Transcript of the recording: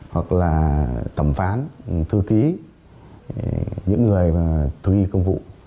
hoặc là thẩm phán thư ký những người thu ghi công vụ